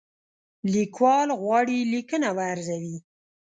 لیکوال غواړي لیکنه وارزوي.